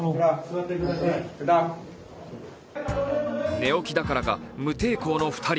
寝起きだからか無抵抗の２人。